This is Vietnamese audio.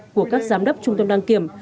của các giám đốc trung tâm đăng kiểm